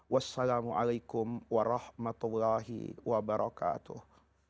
wassalamualaikum warahmatullahi wabarakatuh